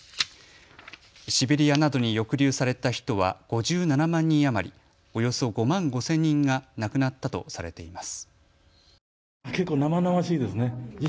シベリアなどに抑留された人は５７万人余り、およそ５万５０００人が亡くなったとされています。